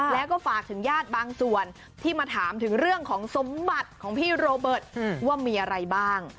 แล้วก็ฝากถึงญาติบางส่วนที่มาถามถึงเรื่องของสมบัติของพี่โรเบิร์ตว่ามีอะไรบ้าง